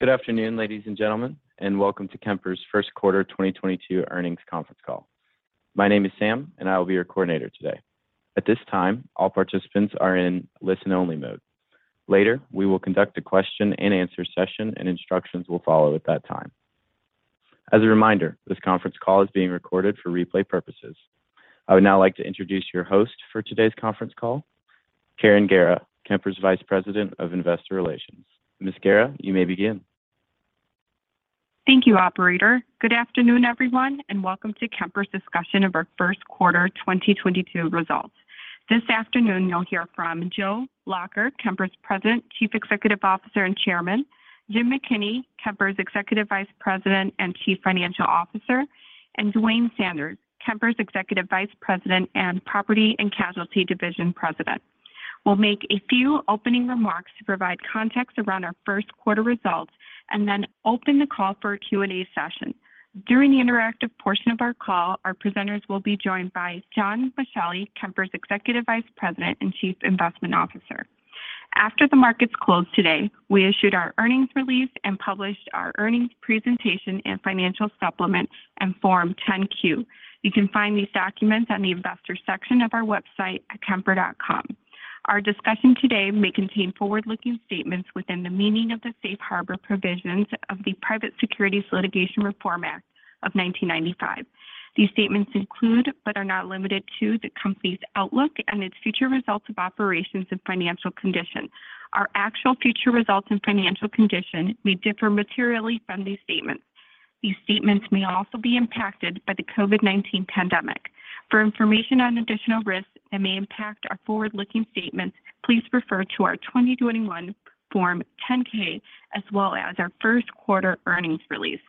Good afternoon, ladies and gentlemen, and welcome to Kemper's first quarter 2022 earnings conference call. My name is Sam, and I will be your coordinator today. At this time, all participants are in listen-only mode. Later, we will conduct a question-and-answer session and instructions will follow at that time. As a reminder, this conference call is being recorded for replay purposes. I would now like to introduce your host for today's conference call, Karen Guerra, Kemper's Vice President of Investor Relations. Ms. Guerra, you may begin. Thank you, operator. Good afternoon, everyone, and welcome to Kemper's discussion of our first quarter 2022 results. This afternoon you'll hear from Joe Lacher, Kemper's President, Chief Executive Officer and Chairman, Jim McKinney, Kemper's Executive Vice President and Chief Financial Officer, and Duane Sanders, Kemper's Executive Vice President and Property and Casualty Division President. We'll make a few opening remarks to provide context around our first quarter results and then open the call for a Q&A session. During the interactive portion of our call, our presenters will be joined by John Boschelli, Kemper's Executive Vice President and Chief Investment Officer. After the markets closed today, we issued our earnings release and published our earnings presentation and financial supplement and Form 10-Q. You can find these documents on the investor section of our website at kemper.com. Our discussion today may contain forward-looking statements within the meaning of the safe harbor provisions of the Private Securities Litigation Reform Act of 1995. These statements include, but are not limited to, the company's outlook and its future results of operations and financial condition. Our actual future results and financial condition may differ materially from these statements. These statements may also be impacted by the COVID-19 pandemic. For information on additional risks that may impact our forward-looking statements, please refer to our 2021 Form 10-K as well as our first quarter earnings release.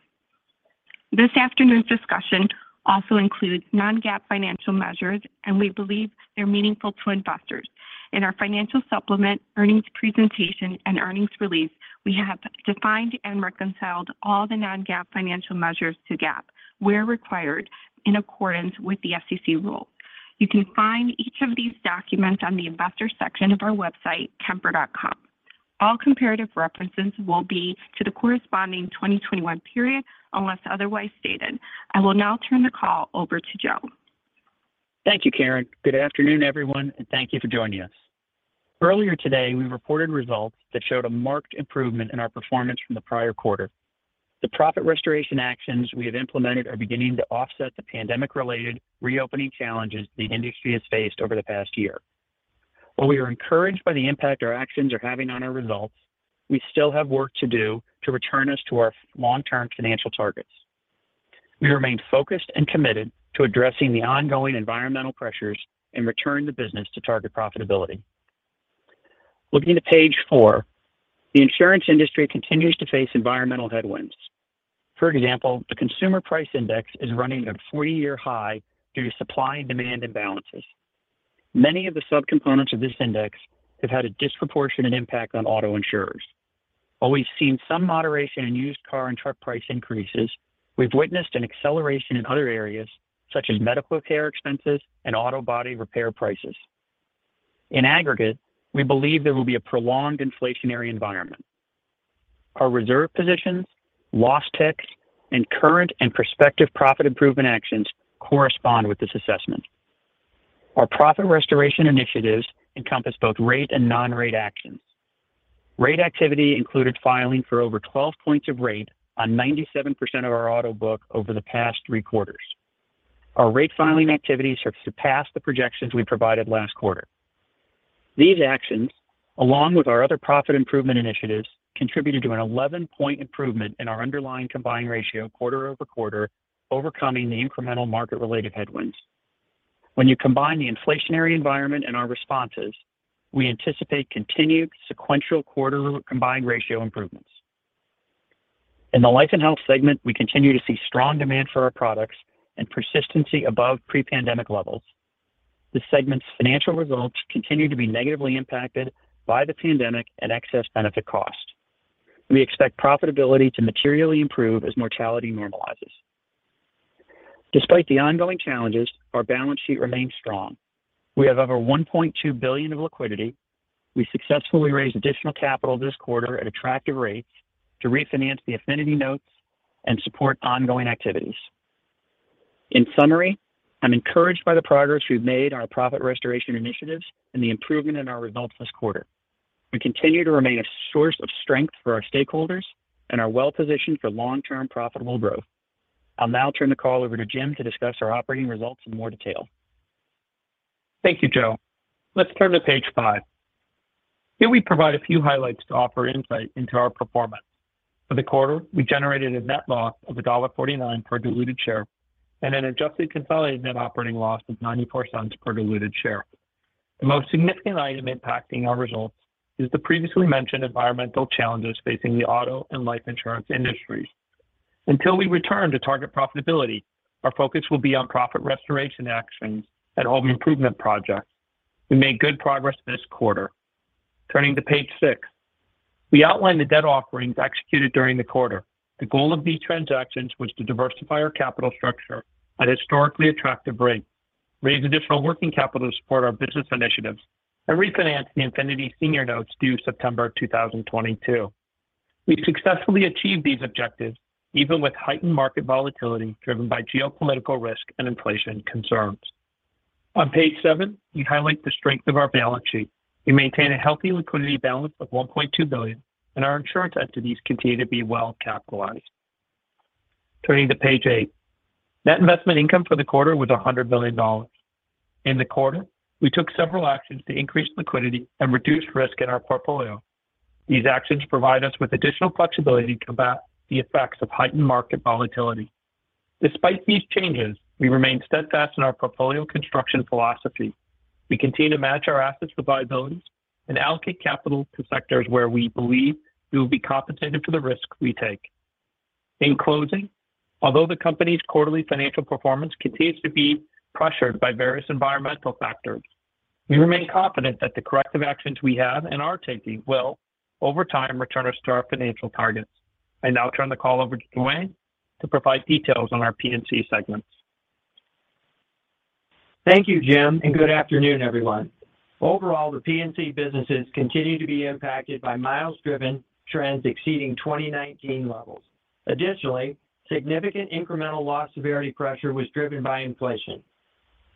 This afternoon's discussion also includes non-GAAP financial measures, and we believe they're meaningful to investors. In our financial supplement, earnings presentation and earnings release, we have defined and reconciled all the non-GAAP financial measures to GAAP where required in accordance with the SEC rule. You can find each of these documents on the investor section of our website, kemper.com. All comparative references will be to the corresponding 2021 period unless otherwise stated. I will now turn the call over to Joe. Thank you, Karen. Good afternoon, everyone, and thank you for joining us. Earlier today, we reported results that showed a marked improvement in our performance from the prior quarter. The profit restoration actions we have implemented are beginning to offset the pandemic-related reopening challenges the industry has faced over the past year. While we are encouraged by the impact our actions are having on our results, we still have work to do to return us to our long-term financial targets. We remain focused and committed to addressing the ongoing environmental pressures and return the business to target profitability. Looking to page four, the insurance industry continues to face environmental headwinds. For example, the Consumer Price Index is running at a 40-year high due to supply and demand imbalances. Many of the subcomponents of this index have had a disproportionate impact on auto insurers. While we've seen some moderation in used car and truck price increases, we've witnessed an acceleration in other areas such as medical care expenses and auto body repair prices. In aggregate, we believe there will be a prolonged inflationary environment. Our reserve positions, loss ticks, and current and prospective profit improvement actions correspond with this assessment. Our profit restoration initiatives encompass both rate and non-rate actions. Rate activity included filing for over 12 points of rate on 97% of our auto book over the past three quarters. Our rate filing activities have surpassed the projections we provided last quarter. These actions, along with our other profit improvement initiatives, contributed to an 11-point improvement in our underlying combined ratio quarter-over-quarter, overcoming the incremental market-related headwinds. When you combine the inflationary environment and our responses, we anticipate continued sequential quarter combined ratio improvements. In the Life & Health segment, we continue to see strong demand for our products and persistency above pre-pandemic levels. This segment's financial results continue to be negatively impacted by the pandemic and excess benefit costs. We expect profitability to materially improve as mortality normalizes. Despite the ongoing challenges, our balance sheet remains strong. We have over $1.2 billion of liquidity. We successfully raised additional capital this quarter at attractive rates to refinance the Infinity notes and support ongoing activities. In summary, I'm encouraged by the progress we've made on our profit restoration initiatives and the improvement in our results this quarter. We continue to remain a source of strength for our stakeholders and are well positioned for long-term profitable growth. I'll now turn the call over to Jim to discuss our operating results in more detail. Thank you, Joe. Let's turn to page five. Here we provide a few highlights to offer insight into our performance. For the quarter, we generated a net loss of $1.49 per diluted share and an adjusted consolidated net operating loss of $0.94 per diluted share. The most significant item impacting our results is the previously mentioned environmental challenges facing the auto and life insurance industries. Until we return to target profitability, our focus will be on profit restoration actions and home improvement projects. We made good progress this quarter. Turning to page six, we outlined the debt offerings executed during the quarter. The goal of these transactions was to diversify our capital structure at historically attractive rates, raise additional working capital to support our business initiatives, and refinance the Infinity Senior Notes due September 2022. We successfully achieved these objectives even with heightened market volatility driven by geopolitical risk and inflation concerns. On page seven, we highlight the strength of our balance sheet. We maintain a healthy liquidity balance of $1.2 billion, and our insurance entities continue to be well-capitalized. Turning to page eight. Net investment income for the quarter was $100 million. In the quarter, we took several actions to increase liquidity and reduce risk in our portfolio. These actions provide us with additional flexibility to combat the effects of heightened market volatility. Despite these changes, we remain steadfast in our portfolio construction philosophy. We continue to match our assets with liabilities and allocate capital to sectors where we believe we will be compensated for the risk we take. In closing, although the company's quarterly financial performance continues to be pressured by various environmental factors, we remain confident that the corrective actions we have and are taking will, over time, return us to our financial targets. I now turn the call over to Duane to provide details on our P&C segments. Thank you, Jim, and good afternoon, everyone. Overall, the P&C businesses continue to be impacted by miles-driven trends exceeding 2019 levels. Additionally, significant incremental loss severity pressure was driven by inflation.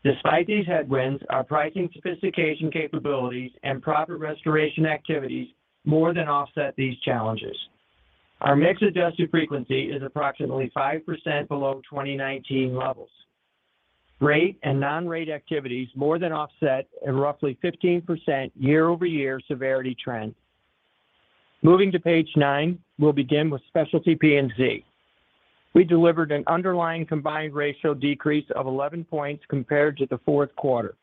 Despite these headwinds, our pricing sophistication capabilities and profit restoration activities more than offset these challenges. Our mix-adjusted frequency is approximately 5% below 2019 levels. Rate and non-rate activities more than offset a roughly 15% year-over-year severity trend. Moving to page nine, we'll begin with Specialty P&C. We delivered an underlying combined ratio decrease of 11 points compared to the fourth quarter.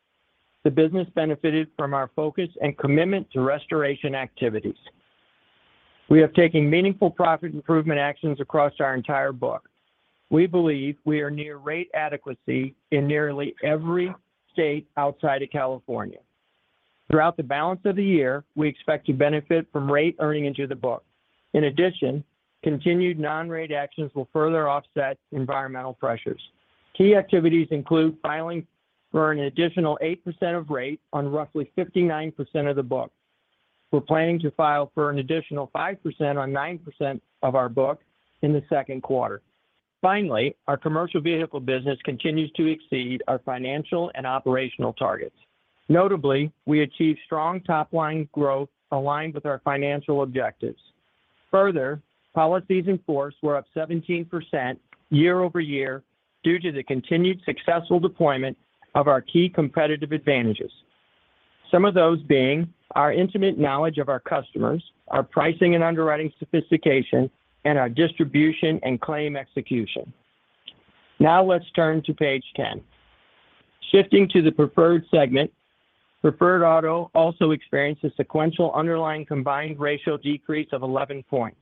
The business benefited from our focus and commitment to restoration activities. We have taken meaningful profit improvement actions across our entire book. We believe we are near rate adequacy in nearly every state outside of California. Throughout the balance of the year, we expect to benefit from rate earning into the book. In addition, continued non-rate actions will further offset environmental pressures. Key activities include filing for an additional 8% of rate on roughly 59% of the book. We're planning to file for an additional 5% on 9% of our book in the second quarter. Finally, our Commercial Vehicle business continues to exceed our financial and operational targets. Notably, we achieved strong top-line growth aligned with our financial objectives. Further, policies in force were up 17% year-over-year due to the continued successful deployment of our key competitive advantages. Some of those being our intimate knowledge of our customers, our pricing and underwriting sophistication, and our distribution and claim execution. Now let's turn to page 10. Shifting to the Preferred segment, Preferred Auto also experienced a sequential underlying combined ratio decrease of 11 points.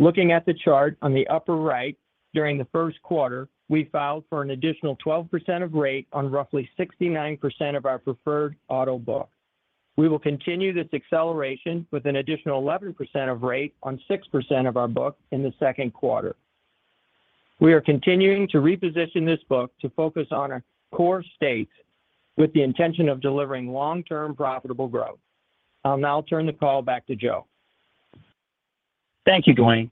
Looking at the chart on the upper right, during the first quarter, we filed for an additional 12% of rate on roughly 69% of our Preferred Auto book. We will continue this acceleration with an additional 11% of rate on 6% of our book in the second quarter. We are continuing to reposition this book to focus on our core states with the intention of delivering long-term profitable growth. I'll now turn the call back to Joe. Thank you, Duane.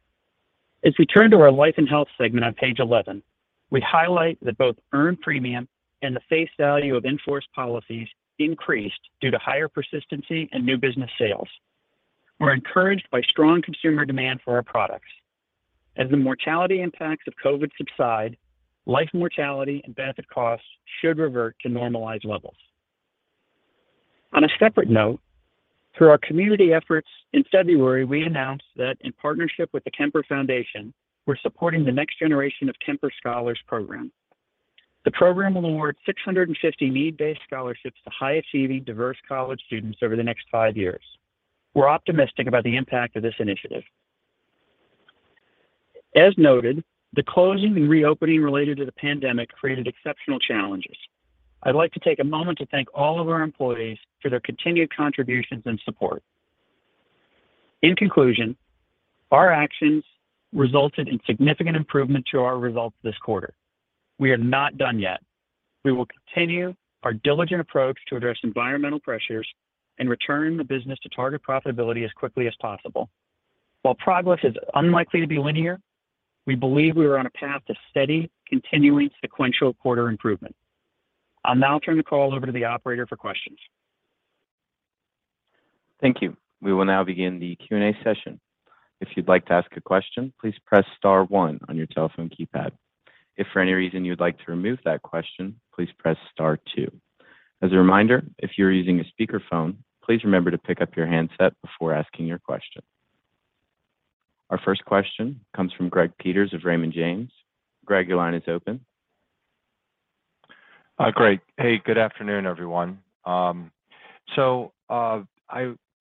As we turn to our Life & Health segment on page 11, we highlight that both earned premium and the face value of in-force policies increased due to higher persistency and new business sales. We're encouraged by strong consumer demand for our products. As the mortality impacts of COVID subside, life mortality and benefit costs should revert to normalized levels. On a separate note, through our community efforts in February, we announced that in partnership with the Kemper Foundation, we're supporting the next generation of Kemper Scholars Program. The program will award 650 need-based scholarships to high-achieving diverse college students over the next five years. We're optimistic about the impact of this initiative. As noted, the closing and reopening related to the pandemic created exceptional challenges. I'd like to take a moment to thank all of our employees for their continued contributions and support. In conclusion, our actions resulted in significant improvement to our results this quarter. We are not done yet. We will continue our diligent approach to address environmental pressures and return the business to target profitability as quickly as possible. While progress is unlikely to be linear, we believe we are on a path to steady, continuing sequential quarter improvement. I'll now turn the call over to the operator for questions. Thank you. We will now begin the Q&A session. If you'd like to ask a question, please press star one on your telephone keypad. If for any reason you'd like to remove that question, please press star two. As a reminder, if you're using a speakerphone, please remember to pick up your handset before asking your question. Our first question comes from Greg Peters of Raymond James. Greg, your line is open. Great. Hey, good afternoon, everyone. I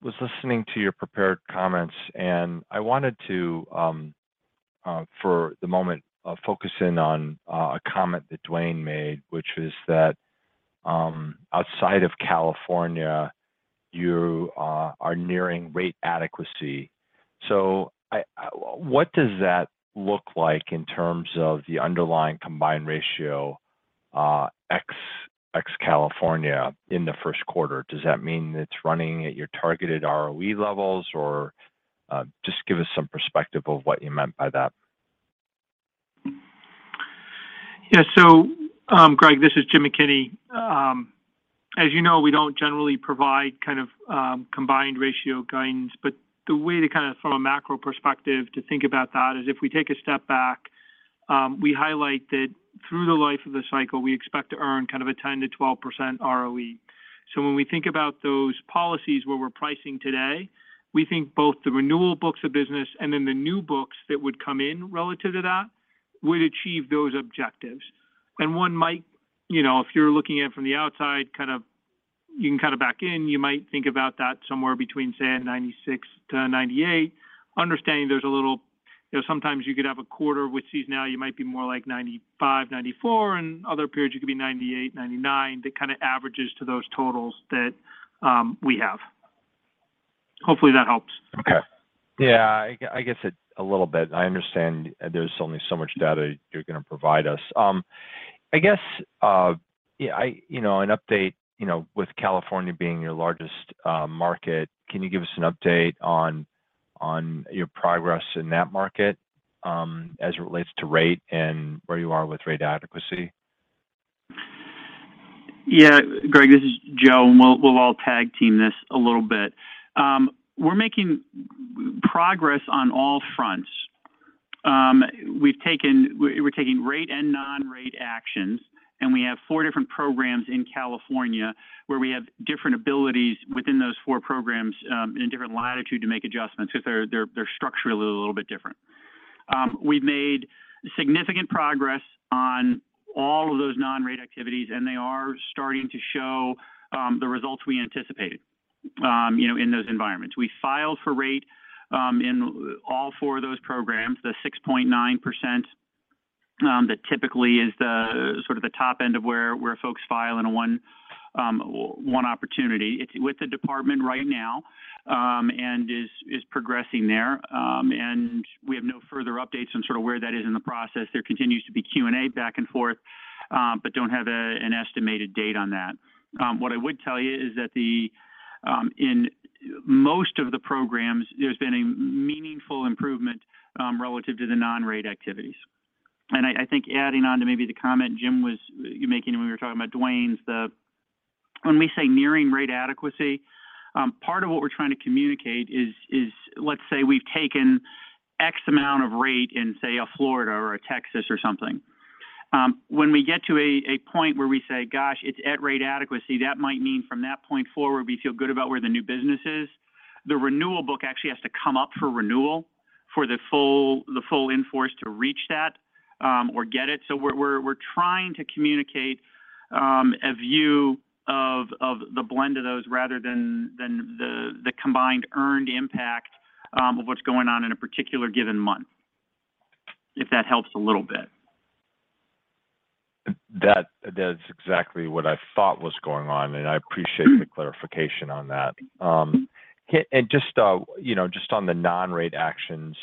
was listening to your prepared comments, and I wanted to, for the moment, focus in on a comment that Duane made, which is that outside of California you are nearing rate adequacy. What does that look like in terms of the underlying combined ratio ex-California in the first quarter? Does that mean it's running at your targeted ROE levels? Or just give us some perspective of what you meant by that. Yeah. Greg, this is Jim McKinney. As you know, we don't generally provide kind of combined ratio guidance, but the way to kind of from a macro perspective to think about that is if we take a step back, we highlight that through the life of the cycle, we expect to earn kind of a 10%-12% ROE. When we think about those policies where we're pricing today, we think both the renewal books of business and then the new books that would come in relative to that would achieve those objectives. One might, you know, if you're looking in from the outside, kind of, you can kind of back in, you might think about that somewhere between say 96%-98%, understanding there's a little, you know, sometimes you could have a quarter which seasonally you might be more like 95%, 94%, and other periods you could be 98%, 99%, that kind of averages to those totals that we have. Hopefully that helps. Okay. Yeah, I guess it's a little bit. I understand there's only so much data you're going to provide us. I guess, yeah, you know, an update, you know, with California being your largest market, can you give us an update on your progress in that market, as it relates to rate and where you are with rate adequacy? Yeah, Greg, this is Joe, and we'll all tag team this a little bit. We're making progress on all fronts. We're taking rate and non-rate actions, and we have four different programs in California where we have different abilities within those four programs, and a different latitude to make adjustments because they're structurally a little bit different. We've made significant progress on all of those non-rate activities, and they are starting to show the results we anticipated, you know, in those environments. We filed for rate in all four of those programs. The 6.9%, that typically is the sort of the top end of where folks file in a one opportunity. It's with the department right now, and is progressing there. We have no further updates on sort of where that is in the process. There continues to be Q&A back and forth, but don't have an estimated date on that. What I would tell you is that in most of the programs, there's been a meaningful improvement relative to the non-rate activities. I think adding on to maybe the comment Jim was making when we were talking about Duane's when we say nearing rate adequacy, part of what we're trying to communicate is let's say we've taken X amount of rate in say, Florida or Texas or something. When we get to a point where we say, gosh, it's at rate adequacy, that might mean from that point forward, we feel good about where the new business is. The renewal book actually has to come up for renewal for the full in-force to reach that or get it. We're trying to communicate a view of the blend of those rather than the combined earned impact of what's going on in a particular given month, if that helps a little bit. That's exactly what I thought was going on, and I appreciate the clarification on that. Just, you know, just on the non-rate actions,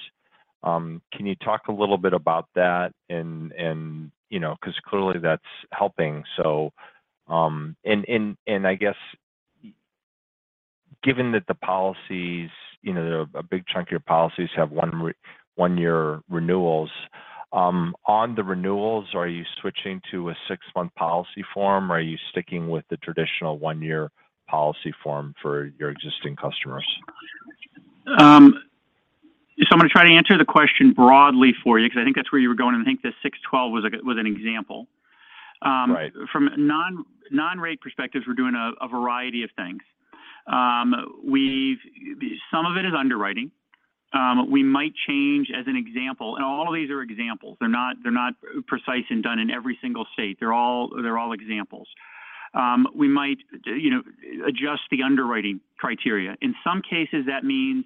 can you talk a little bit about that and, you know, 'cause clearly that's helping. I guess given that the policies, you know, a big chunk of your policies have one-year renewals, on the renewals, are you switching to a six-month policy form, or are you sticking with the traditional one-year policy form for your existing customers? I'm going to try to answer the question broadly for you because I think that's where you were going, and I think the 612 was an example. Right. From non-rate perspective, we're doing a variety of things. Some of it is underwriting. We might change as an example. All of these are examples. They're not precise and done in every single state. They're all examples. We might, you know, adjust the underwriting criteria. In some cases, that means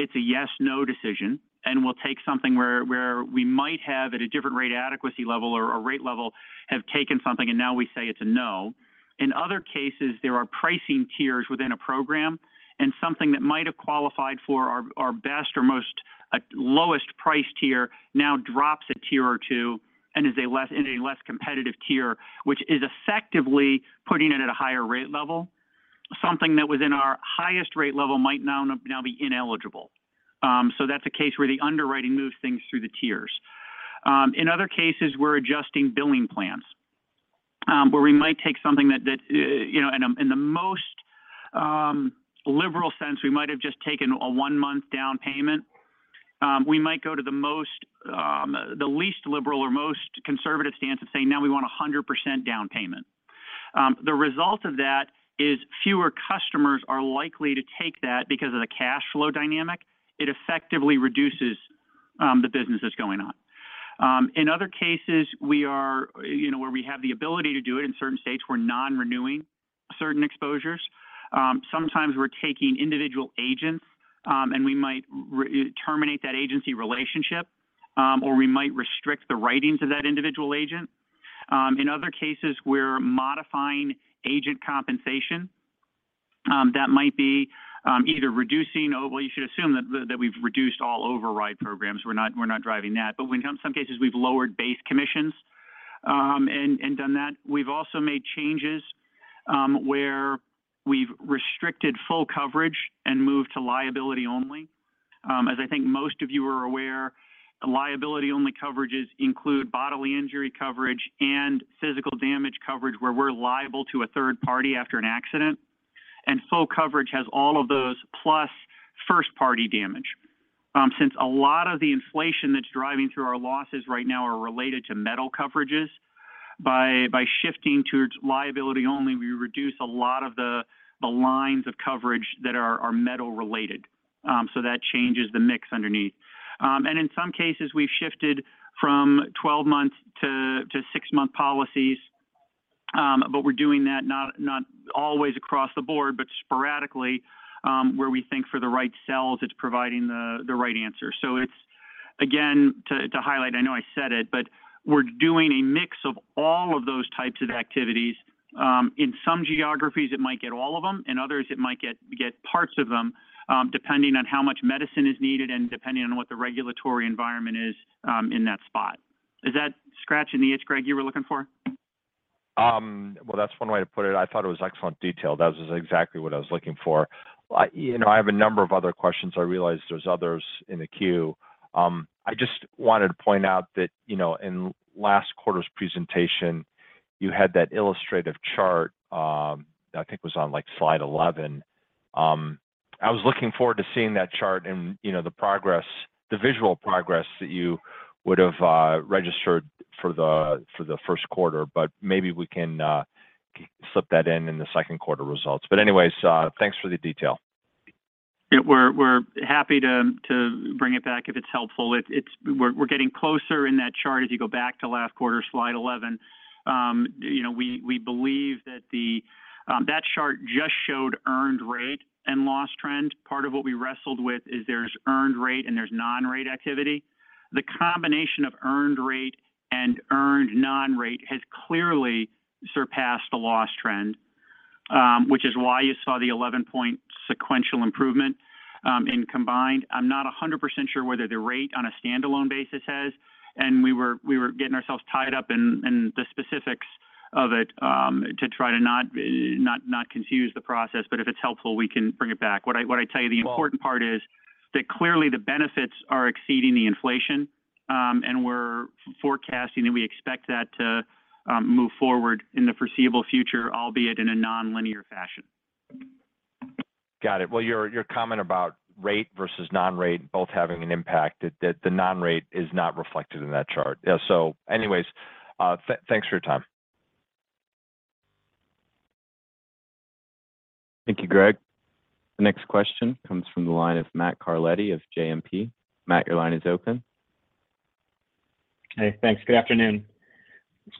it's a yes-no decision, and we'll take something where we might have at a different rate adequacy level or a rate level have taken something and now we say it's a no. In other cases, there are pricing tiers within a program and something that might have qualified for our best or most, like, lowest price tier now drops a tier or two and is in a less competitive tier, which is effectively putting it at a higher rate level. Something that was in our highest rate level might now be ineligible. That's a case where the underwriting moves things through the tiers. In other cases, we're adjusting billing plans, where we might take something that you know in the most liberal sense, we might have just taken a one-month down payment. We might go to the least liberal or most conservative stance and say, "Now we want 100% down payment." The result of that is fewer customers are likely to take that because of the cash flow dynamic. It effectively reduces the businesses going on. In other cases, we are, you know, where we have the ability to do it in certain states, we're non-renewing certain exposures. Sometimes we're taking individual agents, and we might re-terminate that agency relationship, or we might restrict the writings of that individual agent. In other cases, we're modifying agent compensation, that might be, either reducing or well, you should assume that we've reduced all override programs. We're not driving that. But in some cases, we've lowered base commissions, and done that. We've also made changes, where we've restricted full coverage and moved to liability only. As I think most of you are aware, liability-only coverages include bodily injury coverage and physical damage coverage, where we're liable to a third party after an accident. Full coverage has all of those plus first party damage. Since a lot of the inflation that's driving through our losses right now are related to metal coverages, by shifting towards liability only, we reduce a lot of the lines of coverage that are metal related. That changes the mix underneath. In some cases, we've shifted from 12-month to six-month policies, but we're doing that not always across the board, but sporadically, where we think for the right cells, it's providing the right answer. It's again to highlight, I know I said it, but we're doing a mix of all of those types of activities. In some geographies, it might get all of them, in others, it might get parts of them, depending on how much mitigation is needed and depending on what the regulatory environment is, in that spot. Does that scratch an itch, Greg, you were looking for? Well, that's one way to put it. I thought it was excellent detail. That was exactly what I was looking for. You know, I have a number of other questions. I realize there's others in the queue. I just wanted to point out that, you know, in last quarter's presentation, you had that illustrative chart, that I think was on, like, slide 11. I was looking forward to seeing that chart and, you know, the visual progress that you would have registered for the first quarter, but maybe we can slip that in in the second quarter results. Anyways, thanks for the detail. Yeah. We're happy to bring it back if it's helpful. We're getting closer in that chart as you go back to last quarter, slide 11. You know, we believe that the chart just showed earned rate and loss trend. Part of what we wrestled with is there's earned rate and there's non-rate activity. The combination of earned rate and earned non-rate has clearly surpassed the loss trend, which is why you saw the 11-point sequential improvement in combined. I'm not 100% sure whether the rate on a standalone basis has, and we were getting ourselves tied up in the specifics of it, to try to not confuse the process, but if it's helpful, we can bring it back. What I'd tell you Well- The important part is that clearly the benefits are exceeding the inflation, and we're forecasting and we expect that to move forward in the foreseeable future, albeit in a nonlinear fashion. Got it. Well, your comment about rate versus non-rate both having an impact, the non-rate is not reflected in that chart. Yeah, so anyways, thanks for your time. Thank you, Greg. The next question comes from the line of Matt Carletti of JMP. Matt, your line is open. Hey, thanks. Good afternoon.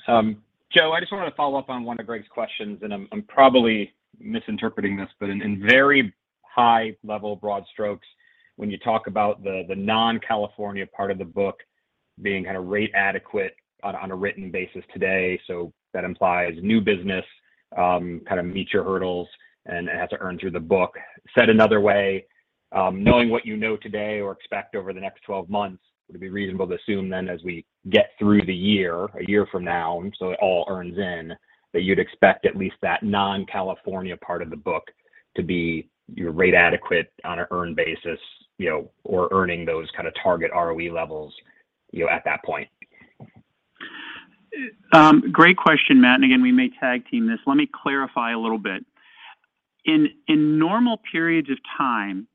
Joe, I just wanted to follow up on one of Greg's questions, and I'm probably misinterpreting this. In very high level broad strokes, when you talk about the non-California part of the book being kind of rate adequate on a written basis today, so that implies new business kind of meet your hurdles and has to earn through the book. Said another way, knowing what you know today or expect over the next 12 months, would it be reasonable to assume then as we get through the year, a year from now, and so it all earns in, that you'd expect at least that non-California part of the book to be your rate adequate on a earned basis, you know, or earning those kind of target ROE levels, you know, at that point? Great question, Matt. Again, we may tag team this. Let me clarify a little bit. In normal periods of time,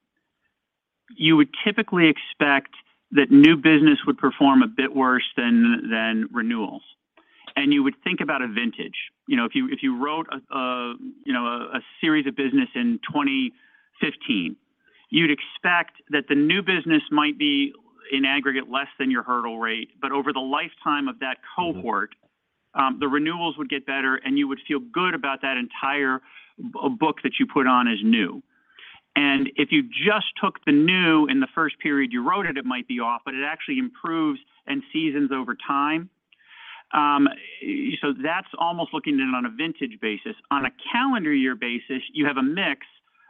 you would typically expect that new business would perform a bit worse than renewals. You would think about a vintage. If you wrote a series of business in 2015, you'd expect that the new business might be in aggregate less than your hurdle rate. Over the lifetime of that cohort. Mm-hmm The renewals would get better, and you would feel good about that entire book that you put on as new. If you just took the new in the first period you wrote it might be off, but it actually improves and seasons over time. That's almost looking at it on a vintage basis. On a calendar year basis, you have a mix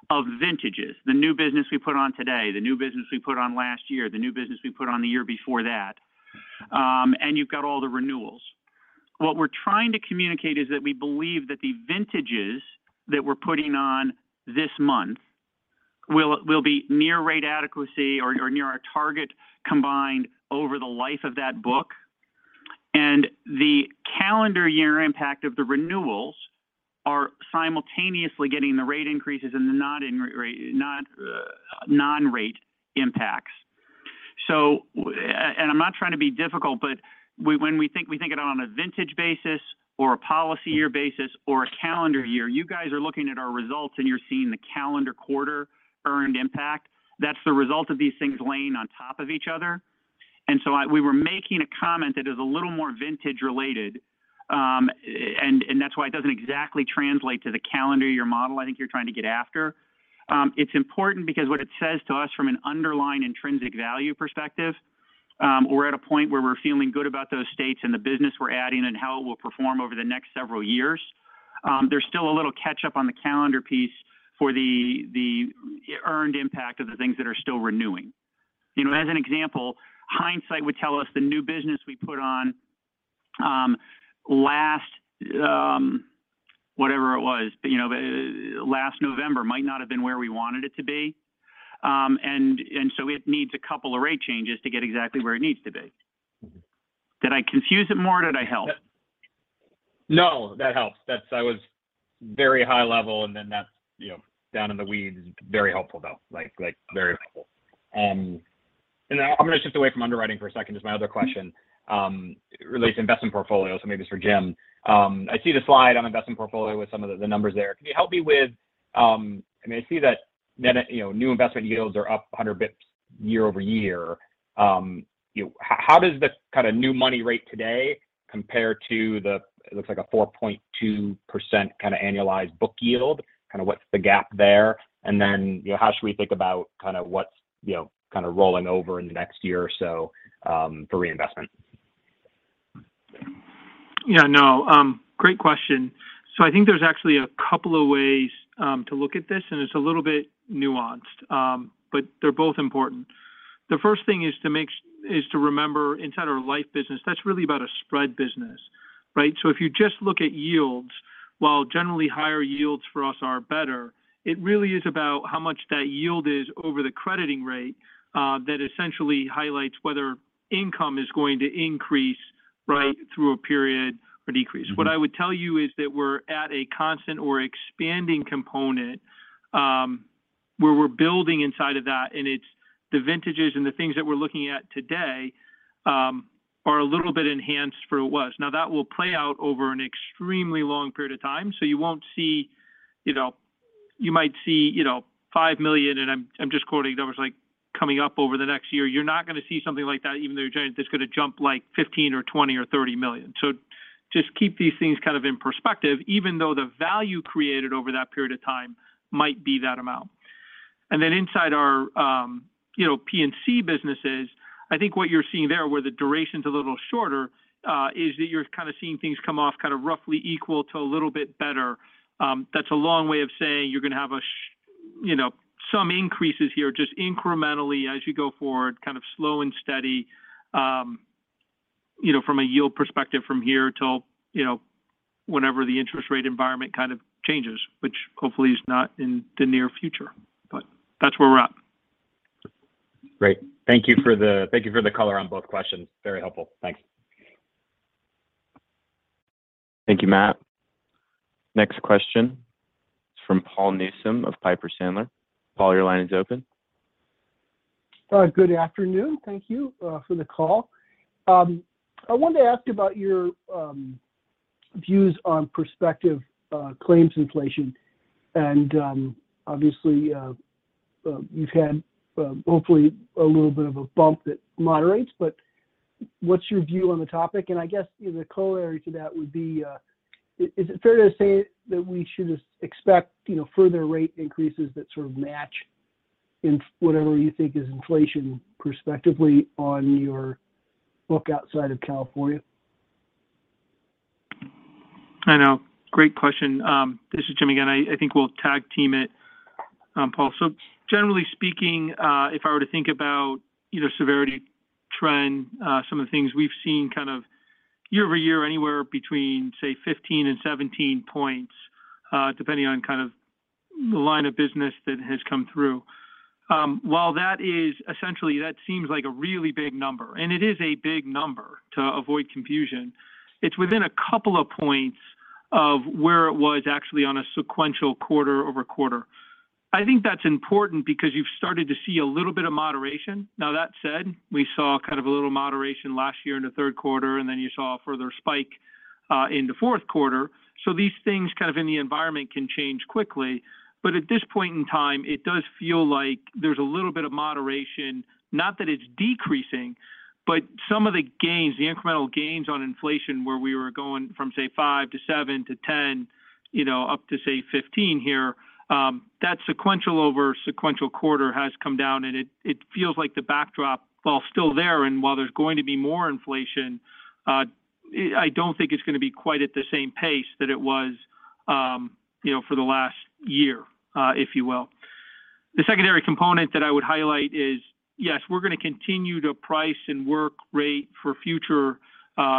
of vintages, the new business we put on today, the new business we put on last year, the new business we put on the year before that, and you've got all the renewals. What we're trying to communicate is that we believe that the vintages that we're putting on this month will be near rate adequacy or near our target combined over the life of that book. The calendar year impact of the renewals are simultaneously getting the rate increases and the non-rate impacts. I'm not trying to be difficult, but when we think of it on a vintage basis or a policy year basis or a calendar year. You guys are looking at our results and you're seeing the calendar quarter earned impact. That's the result of these things laying on top of each other. We were making a comment that is a little more vintage related, and that's why it doesn't exactly translate to the calendar year model I think you're trying to get after. It's important because what it says to us from an underlying intrinsic value perspective, we're at a point where we're feeling good about those states and the business we're adding and how it will perform over the next several years. There's still a little catch-up on the calendar piece for the earned impact of the things that are still renewing. You know, as an example, hindsight would tell us the new business we put on last whatever it was you know last November might not have been where we wanted it to be. It needs a couple of rate changes to get exactly where it needs to be. Did I confuse it more, or did I help? No, that helps. That's I was very high level, and then that's, you know, down in the weeds. Very helpful, though. Like, very helpful. I'm gonna shift away from underwriting for a second. Just my other question relates to investment portfolio, so maybe it's for Jim. I see the slide on investment portfolio with some of the numbers there. Can you help me with? I mean, I see that net, you know, new investment yields are up 100 basis points year-over-year. You know, how does the kind of new money rate today compare to the, it looks like a 4.2% kind of annualized book yield? Kind of what's the gap there? You know, how should we think about kind of what's, you know, kind of rolling over in the next year or so for reinvestment? Yeah, no, great question. I think there's actually a couple of ways to look at this, and it's a little bit nuanced, but they're both important. The first thing is to remember inside our life business, that's really about a spread business, right? If you just look at yields, while generally higher yields for us are better, it really is about how much that yield is over the crediting rate, that essentially highlights whether income is going to increase, right, through a period or decrease. What I would tell you is that we're at a constant or expanding component, where we're building inside of that, and it's the vintages and the things that we're looking at today, are a little bit enhanced for it was. Now, that will play out over an extremely long period of time, so you won't see, you know, you might see, you know, $5 million, and I'm just quoting numbers, like, coming up over the next year. You're not gonna see something like that, even though you're giant, that's gonna jump, like, $15 or $20 or $30 million. Just keep these things kind of in perspective, even though the value created over that period of time might be that amount. Then inside our, you know, P&C businesses, I think what you're seeing there, where the duration's a little shorter, is that you're kind of seeing things come off kind of roughly equal to a little bit better. That's a long way of saying you're gonna have some increases here just incrementally as you go forward, kind of slow and steady, you know, from a yield perspective from here till, you know, whenever the interest rate environment kind of changes, which hopefully is not in the near future. That's where we're at. Great. Thank you for the color on both questions. Very helpful. Thanks. Thank you, Matt. Next question is from Paul Newsome of Piper Sandler. Paul, your line is open. Good afternoon. Thank you for the call. I wanted to ask about your views on prospective claims inflation. Obviously, you've had hopefully a little bit of a bump that moderates, but what's your view on the topic? I guess, you know, the corollary to that would be, is it fair to say that we should expect, you know, further rate increases that sort of match whatever you think is inflation prospectively on your book outside of California? I know. Great question. This is Jim again. I think we'll tag team it, Paul. Generally speaking, if I were to think about either severity trend, some of the things we've seen kind of year-over-year, anywhere between, say, 15 and 17 points, depending on kind of the line of business that has come through. While that is essentially, that seems like a really big number, and it is a big number to avoid confusion, it's within a couple of points of where it was actually on a sequential quarter-over-quarter. I think that's important because you've started to see a little bit of moderation. Now, that said, we saw kind of a little moderation last year in the third quarter, and then you saw a further spike in the fourth quarter. These things kind of in the environment can change quickly. At this point in time, it does feel like there's a little bit of moderation. Not that it's decreasing, but some of the gains, the incremental gains on inflation where we were going from, say, 5% to 7% to 10%, you know, up to, say, 15% here, that sequential over sequential quarter has come down and it feels like the backdrop, while still there and while there's going to be more inflation, I don't think it's gonna be quite at the same pace that it was, you know, for the last year, if you will. The secondary component that I would highlight is, yes, we're gonna continue to price and rate for future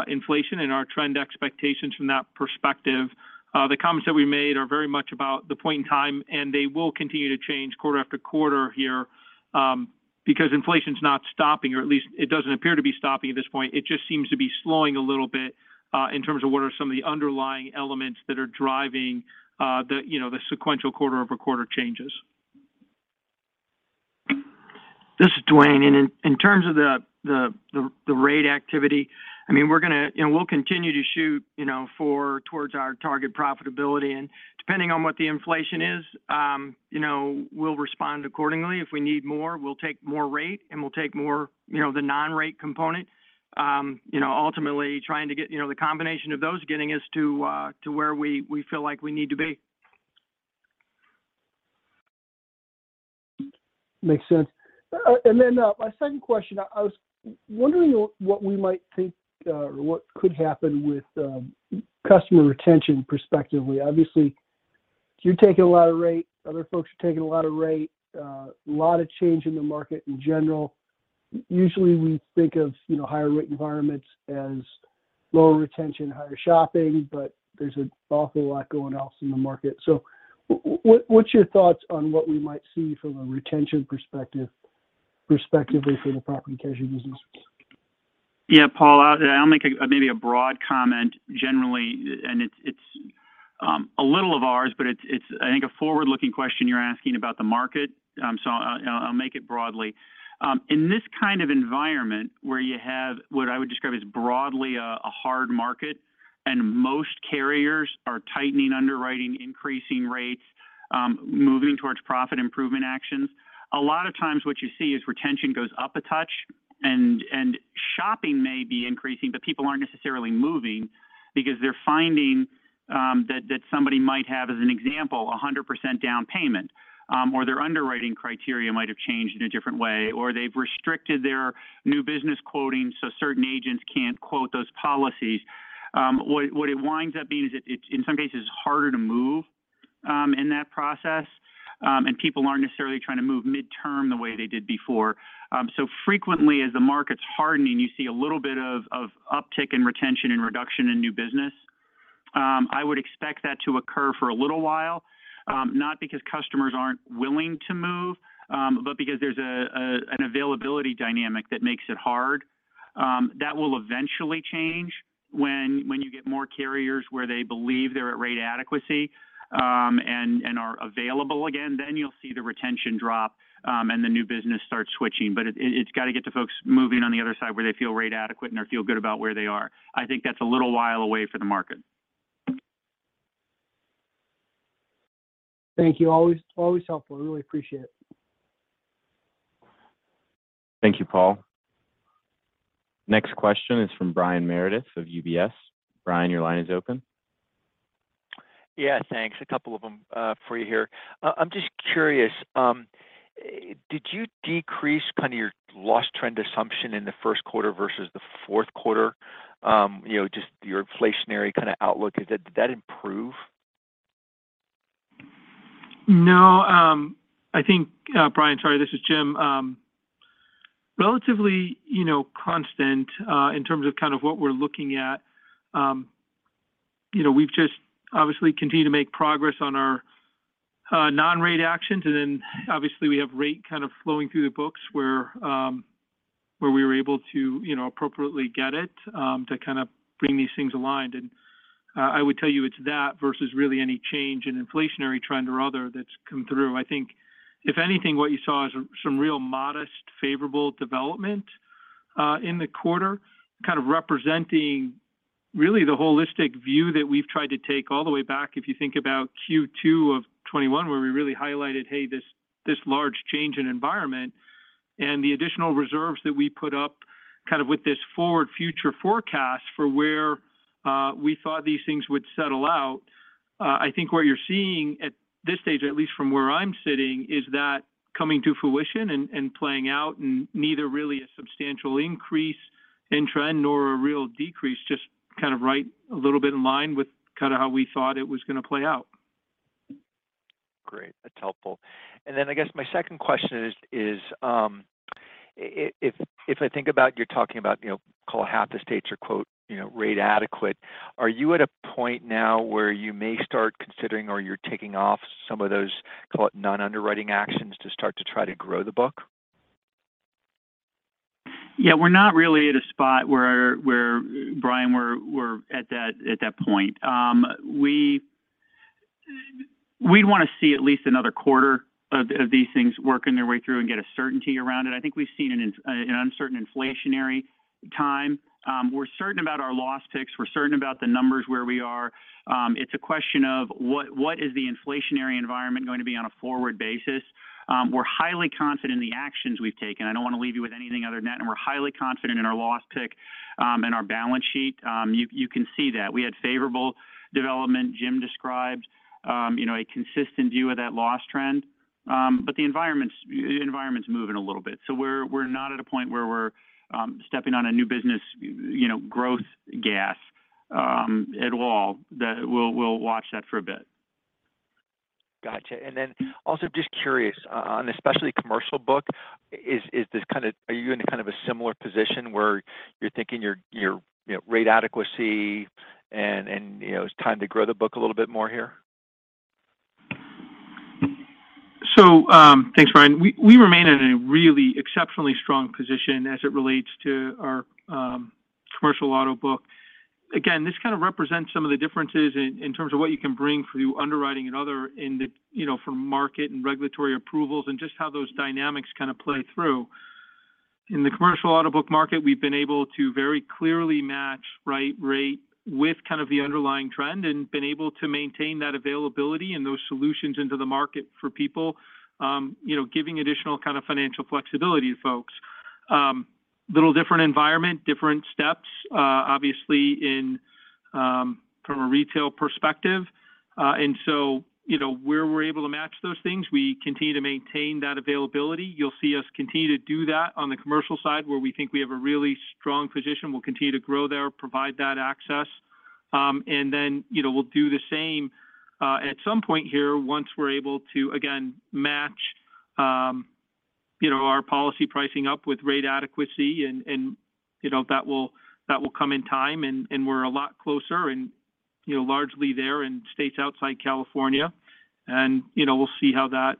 inflation and our trend expectations from that perspective. The comments that we made are very much about the point in time, and they will continue to change quarter after quarter here, because inflation's not stopping, or at least it doesn't appear to be stopping at this point. It just seems to be slowing a little bit, in terms of what are some of the underlying elements that are driving, you know, the sequential quarter-over-quarter changes. This is Duane, and in terms of the rate activity, I mean, we're gonna, and we'll continue to shoot, you know, towards our target profitability. Depending on what the inflation is, you know, we'll respond accordingly. If we need more, we'll take more rate, and we'll take more, you know, the non-rate component. You know, ultimately trying to get, you know, the combination of those getting us to where we feel like we need to be. Makes sense. My second question, I was wondering what we might think or what could happen with customer retention perspectively. Obviously, you're taking a lot of rate, other folks are taking a lot of rate, a lot of change in the market in general. Usually, we think of, you know, higher rate environments as lower retention, higher shopping, but there's an awful lot going on elsewhere in the market. What's your thoughts on what we might see from a retention perspectively for the property and casualty business? Yeah, Paul, I'll make maybe a broad comment generally, and it's a little off ours, but it's I think a forward-looking question you're asking about the market, so I'll make it broadly. In this kind of environment where you have what I would describe as broadly a hard market and most carriers are tightening underwriting, increasing rates, moving towards profit improvement actions, a lot of times what you see is retention goes up a touch and shopping may be increasing, but people aren't necessarily moving because they're finding that somebody might have, as an example, 100% down payment, or their underwriting criteria might have changed in a different way, or they've restricted their new business quoting, so certain agents can't quote those policies. What it winds up being is, it in some cases is harder to move in that process. People aren't necessarily trying to move midterm the way they did before. Frequently as the market's hardening, you see a little bit of uptick in retention and reduction in new business. I would expect that to occur for a little while, not because customers aren't willing to move, but because there's an availability dynamic that makes it hard. That will eventually change when you get more carriers where they believe they're at rate adequacy, and are available again. You'll see the retention drop, and the new business start switching. It's got to get to folks moving on the other side where they feel rate adequate and they feel good about where they are. I think that's a little while away for the market. Thank you. Always, always helpful. Really appreciate it. Thank you, Paul. Next question is from Brian Meredith of UBS. Brian, your line is open. Yeah, thanks. A couple of them for you here. I'm just curious, did you decrease kind of your loss trend assumption in the first quarter versus the fourth quarter? You know, just your inflationary kind of outlook. Did that improve? No, I think, Brian, sorry, this is Jim. Relatively, you know, constant, in terms of kind of what we're looking at. You know, we've just obviously continued to make progress on our non-rate actions. Then obviously we have rate kind of flowing through the books where we were able to, you know, appropriately get it to kind of bring these things aligned. I would tell you it's that versus really any change in inflationary trend or other that's come through. I think if anything, what you saw is some really modest, favorable development in the quarter, kind of representing really the holistic view that we've tried to take all the way back if you think about Q2 of 2021, where we really highlighted, hey, this large change in environment and the additional reserves that we put up kind of with this forward future forecast for where we thought these things would settle out. I think what you're seeing at this stage, at least from where I'm sitting, is that coming to fruition and playing out and neither really a substantial increase in trend nor a real decrease, just kind of right a little bit in line with kind of how we thought it was going to play out. Great. That's helpful. I guess my second question is, if I think about you're talking about, you know, call half the states are quote, you know, rate adequate, are you at a point now where you may start considering or you're taking off some of those call it non-underwriting actions to start to try to grow the book? Yeah. We're not really at a spot where, Brian, we're at that point. We'd want to see at least another quarter of these things working their way through and get a certainty around it. I think we've seen an uncertain inflationary time. We're certain about our loss picks. We're certain about the numbers where we are. It's a question of what the inflationary environment is going to be on a forward basis? We're highly confident in the actions we've taken. I don't want to leave you with anything other than that, and we're highly confident in our loss pick and our balance sheet. You can see that. We had favorable development Jim described, you know, a consistent view of that loss trend. The environment's moving a little bit. We're not at a point where we're stepping on the gas at all. We'll watch that for a bit. Gotcha. Also just curious, on especially commercial book, are you in kind of a similar position where you're thinking your you know rate adequacy and you know it's time to grow the book a little bit more here? Thanks, Brian. We remain in a really exceptionally strong position as it relates to our commercial auto book. Again, this kind of represents some of the differences in terms of what you can bring through underwriting and other in the, you know, from market and regulatory approvals and just how those dynamics kind of play through. In the commercial auto book market, we've been able to very clearly match right rate with kind of the underlying trend and been able to maintain that availability and those solutions into the market for people, you know, giving additional kind of financial flexibility to folks. Little different environment, different steps, obviously in from a retail perspective. You know, where we're able to match those things, we continue to maintain that availability. You'll see us continue to do that on the commercial side where we think we have a really strong position. We'll continue to grow there, provide that access. You know, we'll do the same at some point here once we're able to, again, match you know, our policy pricing up with rate adequacy and, you know, that will come in time, and we're a lot closer and, you know, largely there in states outside California. You know, we'll see how that,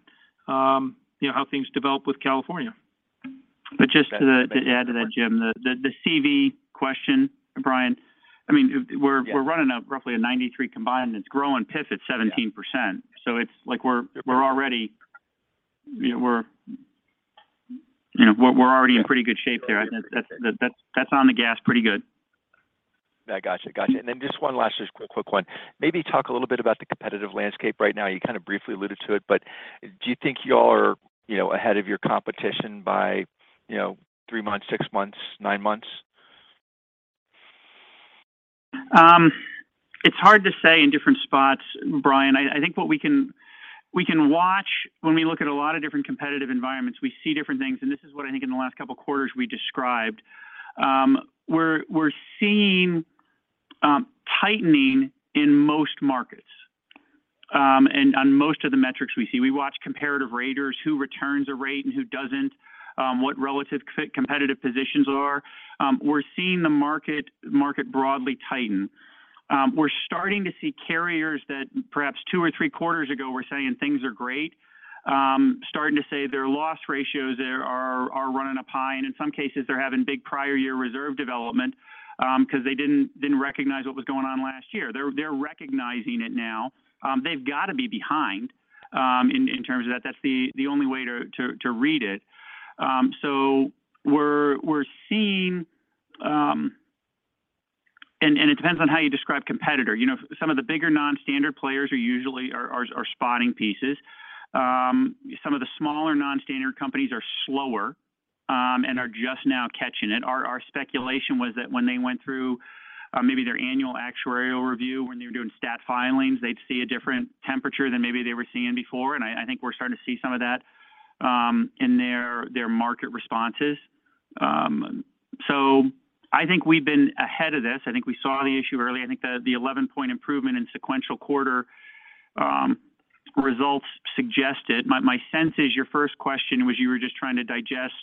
you know, how things develop with California. Just to add to that, Jim, the CV question, Brian, I mean, we're Yeah. We're running roughly a 93% combined, and it's growing PIF at 17%. Yeah. It's like we're already, you know, in pretty good shape there. That's on the gas pretty good. Yeah. Gotcha. Just one last quick one. Maybe talk a little bit about the competitive landscape right now. You kind of briefly alluded to it, but do you think y'all are, you know, ahead of your competition by, you know, three months, six months, nine months? It's hard to say in different spots, Brian. I think what we can watch when we look at a lot of different competitive environments, we see different things, and this is what I think in the last couple of quarters we described. We're seeing tightening in most markets, and on most of the metrics we see. We watch comparative raters, who returns a rate and who doesn't, what relative competitive positions are. We're seeing the market broadly tighten. We're starting to see carriers that perhaps two or three quarters ago were saying things are great, starting to say their loss ratios are running up high, and in some cases, they're having big prior year reserve development, because they didn't recognize what was going on last year. They're recognizing it now. They've got to be behind in terms of that. That's the only way to read it. We're seeing. It depends on how you describe competitors. You know, some of the bigger non-standard players are usually spotting pieces. Some of the smaller non-standard companies are slower and are just now catching it. Our speculation was that when they went through maybe their annual actuarial review, when they were doing stat filings, they'd see a different temperature than maybe they were seeing before, and I think we're starting to see some of that in their market responses. I think we've been ahead of this. I think we saw the issue early. I think the 11-point improvement in sequential quarter results suggested. My sense is your first question was you were just trying to digest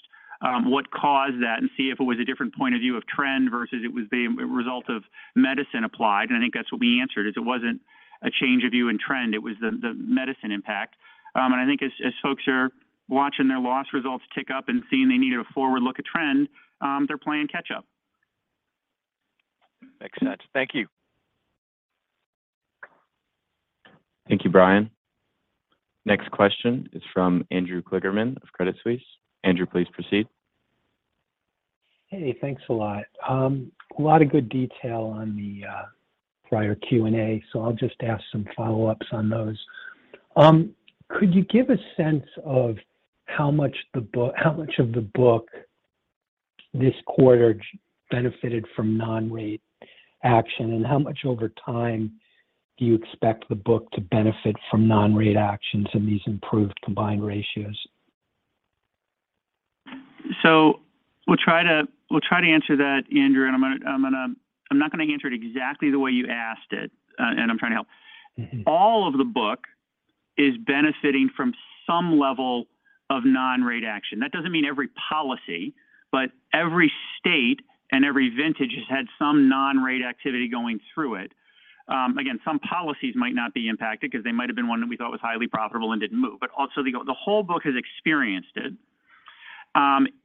what caused that and see if it was a different point of view of trend versus it was the result of medicine applied, and I think that's what we answered, is it wasn't a change of view in trend, it was the medicine impact. I think as folks are watching their loss results tick up and seeing they need a forward-looking trend, they're playing catch-up. Makes sense. Thank you. Thank you, Brian. Next question is from Andrew Kligerman of Credit Suisse. Andrew, please proceed. Hey, thanks a lot. A lot of good detail on the prior Q&A, so I'll just ask some follow-ups on those. Could you give a sense of how much of the book this quarter benefited from non-rate action, and how much over time do you expect the book to benefit from non-rate actions in these improved combined ratios? We'll try to answer that, Andrew, and I'm not gonna answer it exactly the way you asked it, and I'm trying to help. Mm-hmm. All of the book is benefiting from some level of non-rate action. That doesn't mean every policy, but every state and every vintage has had some non-rate activity going through it. Again, some policies might not be impacted 'cause they might've been one that we thought was highly profitable and didn't move, but also the whole book has experienced it.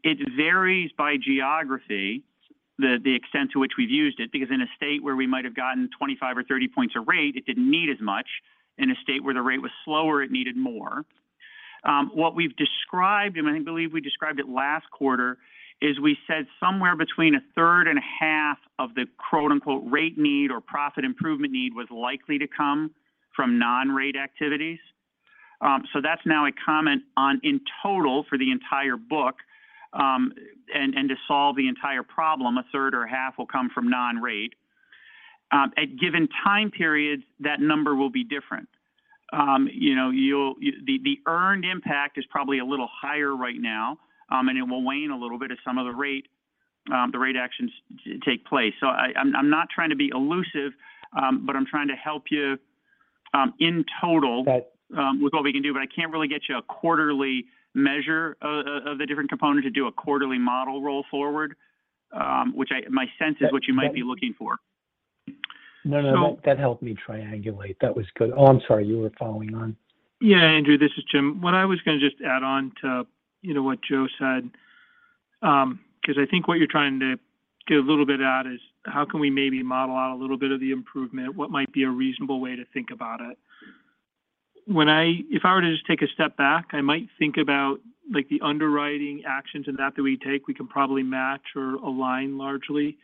It varies by geography, the extent to which we've used it, because in a state where we might have gotten 25 or 30 points of rate, it didn't need as much. In a state where the rate was slower, it needed more. What we've described, and I believe we described it last quarter, is we said somewhere between a third and a half of the quote-unquote rate need or profit improvement need was likely to come from non-rate activities. That's now a comment on in total for the entire book, and to solve the entire problem, a third or a half will come from non-rate. At given time periods, that number will be different. You know, the earned impact is probably a little higher right now, and it will wane a little bit as some of the rate actions take place. I'm not trying to be elusive, but I'm trying to help you, in total. Right With what we can do, but I can't really get you a quarterly measure of the different components to do a quarterly model roll forward, which my sense is what you might be looking for. No, that helped me triangulate. That was good. Oh, I'm sorry. You were following on. Yeah, Andrew, this is Jim. What I was gonna just add on to, you know, what Joe said, 'cause I think what you're trying to get a little bit at is how can we maybe model out a little bit of the improvement? What might be a reasonable way to think about it? If I were to just take a step back, I might think about, like, the underwriting actions and that we take, we can probably match or align largely,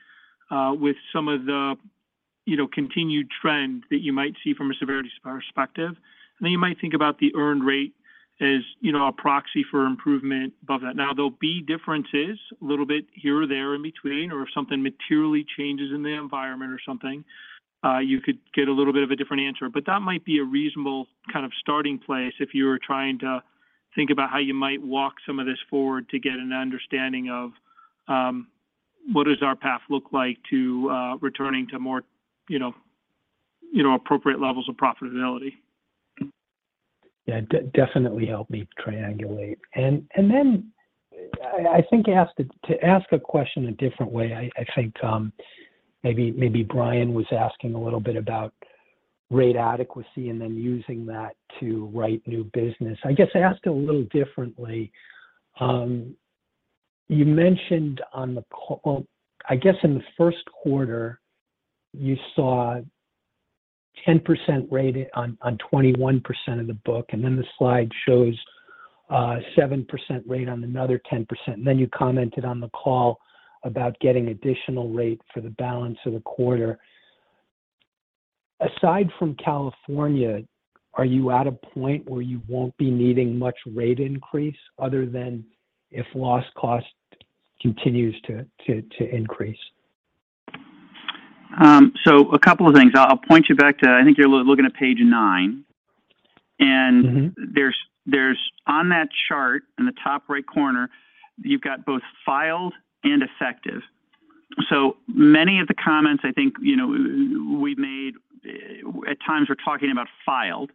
with some of the You know, continued trend that you might see from a severity perspective. Then you might think about the earned rate as, you know, a proxy for improvement above that. Now, there'll be differences a little bit here or there in between, or if something materially changes in the environment or something, you could get a little bit of a different answer. That might be a reasonable kind of starting place if you were trying to think about how you might walk some of this forward to get an understanding of, what does our path look like to, returning to more, you know, appropriate levels of profitability. Yeah, definitely helped me triangulate. I think I have to ask a question a different way. I think maybe Brian was asking a little bit about rate adequacy and then using that to write new business. I guess I ask it a little differently. You mentioned on the call. Well, I guess in the first quarter, you saw 10% rate on 21% of the book, and then the slide shows 7% rate on another 10%. You commented on the call about getting additional rate for the balance of the quarter. Aside from California, are you at a point where you won't be needing much rate increase other than if loss cost continues to increase? A couple of things. I'll point you back to, I think you're looking at page nine. Mm-hmm. There's, on that chart in the top right corner, you've got both filed and effective. Many of the comments I think, you know, we've made, at times we're talking about filed.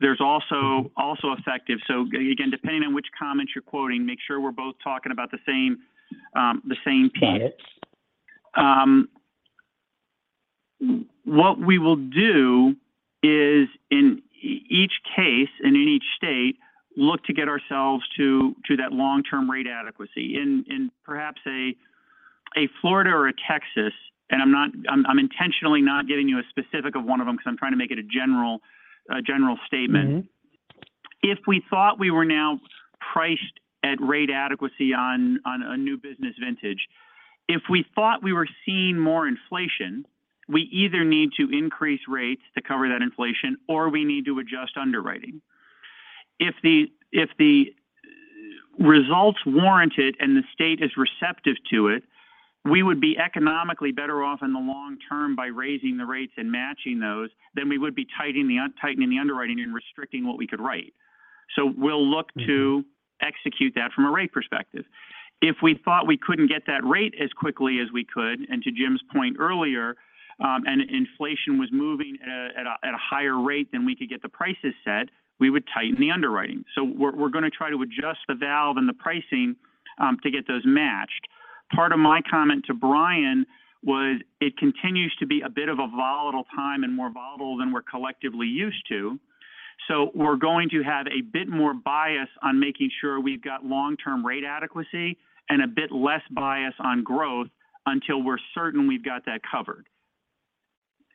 There's also effective. Again, depending on which comments you're quoting, make sure we're both talking about the same page. Got it. What we will do is in each case and in each state, look to get ourselves to that long-term rate adequacy. In perhaps a Florida or a Texas, and I'm intentionally not giving you a specific one of them because I'm trying to make it a general statement. Mm-hmm. If we thought we were now priced at rate adequacy on a new business vintage, if we thought we were seeing more inflation, we either need to increase rates to cover that inflation or we need to adjust underwriting. If the results warrant it and the state is receptive to it, we would be economically better off in the long term by raising the rates and matching those than we would be tightening the underwriting and restricting what we could write. We'll look to- Mm-hmm... execute that from a rate perspective. If we thought we couldn't get that rate as quickly as we could, and to Jim's point earlier, and inflation was moving at a higher rate than we could get the prices set, we would tighten the underwriting. We're gonna try to adjust the valve and the pricing to get those matched. Part of my comment to Brian was it continues to be a bit of a volatile time and more volatile than we're collectively used to. We're going to have a bit more bias on making sure we've got long-term rate adequacy and a bit less bias on growth until we're certain we've got that covered.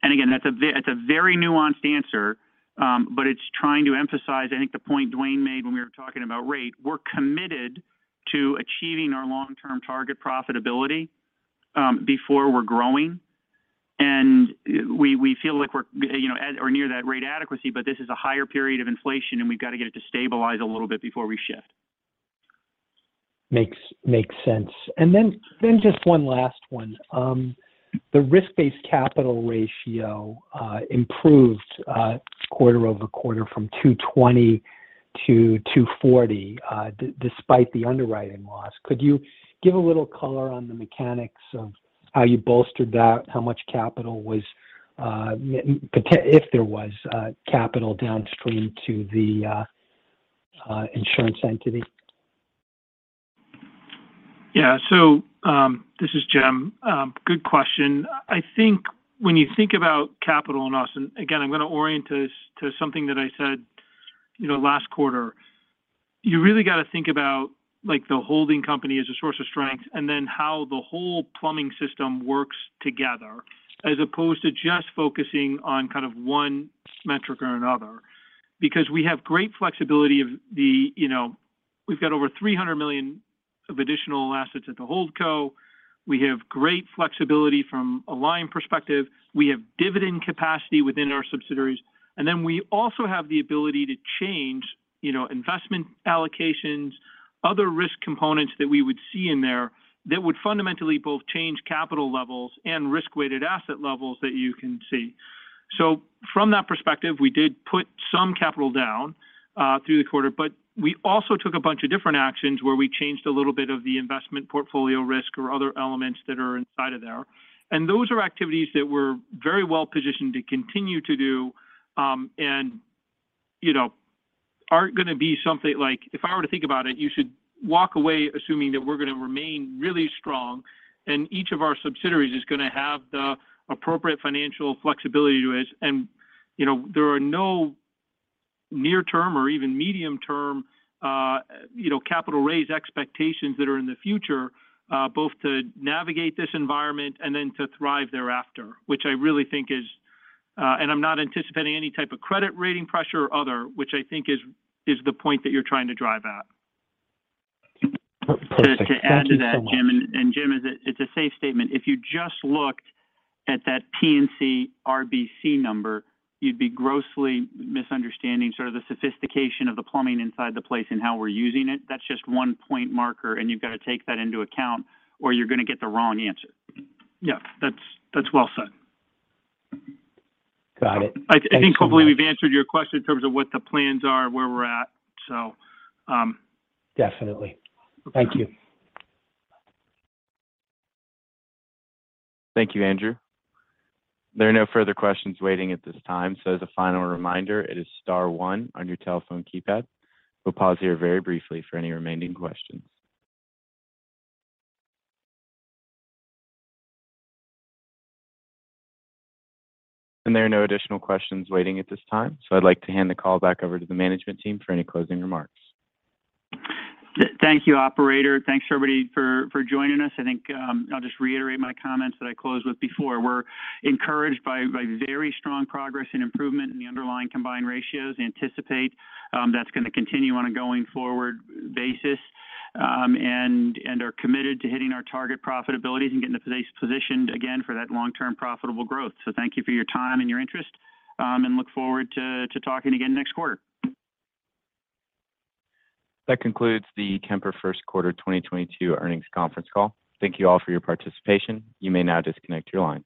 Again, that's a very nuanced answer, but it's trying to emphasize, I think the point Duane made when we were talking about rate. We're committed to achieving our long-term target profitability before we're growing. We feel like we're, you know, at or near that rate adequacy, but this is a higher period of inflation, and we've got to get it to stabilize a little bit before we shift. Makes sense. Just one last one. The risk-based capital ratio improved quarter-over-quarter from 220% to 240% despite the underwriting loss. Could you give a little color on the mechanics of how you bolstered that, how much capital was if there was capital downstream to the insurance entity? Yeah, this is Jim. Good question. I think when you think about capital and us, and again, I'm gonna orient us to something that I said, you know, last quarter. You really got to think about, like, the holding company as a source of strength and then how the whole plumbing system works together as opposed to just focusing on kind of one metric or another. Because we have great flexibility of the, you know, we've got over $300 million of additional assets at the holdco. We have great flexibility from a line perspective. We have dividend capacity within our subsidiaries. And then we also have the ability to change, you know, investment allocations, other risk components that we would see in there that would fundamentally both change capital levels and risk-weighted asset levels that you can see. From that perspective, we did put some capital down through the quarter, but we also took a bunch of different actions where we changed a little bit of the investment portfolio risk or other elements that are inside of there. Those are activities that we're very well-positioned to continue to do, and you know, aren't gonna be something like. If I were to think about it, you should walk away assuming that we're gonna remain really strong and each of our subsidiaries is gonna have the appropriate financial flexibility to us. You know, there are no near-term or even medium-term, you know, capital raise expectations that are in the future, both to navigate this environment and then to thrive thereafter, which I really think is, and I'm not anticipating any type of credit rating pressure or other, which I think is the point that you're trying to drive at. Perfect. Thank you so much. Just to add to that, Jim, it's a safe statement. If you just looked at that P&C RBC number, you'd be grossly misunderstanding sort of the sophistication of the plumbing inside the place and how we're using it. That's just one point marker, and you've got to take that into account or you're gonna get the wrong answer. Yeah, that's well said. Got it. Thanks so much. I think hopefully we've answered your question in terms of what the plans are and where we're at. Definitely. Thank you. Thank you, Andrew. There are no further questions waiting at this time. As a final reminder, it is star one on your telephone keypad. We'll pause here very briefly for any remaining questions. There are no additional questions waiting at this time, so I'd like to hand the call back over to the management team for any closing remarks. Thank you, operator. Thanks, everybody for joining us. I think, I'll just reiterate my comments that I closed with before. We're encouraged by very strong progress and improvement in the underlying combined ratios, anticipate that's gonna continue on a going forward basis. and are committed to hitting our target profitabilities and getting the place positioned again for that long-term profitable growth. Thank you for your time and your interest, and look forward to talking again next quarter. That concludes the Kemper first quarter 2022 earnings conference call. Thank you all for your participation. You may now disconnect your lines.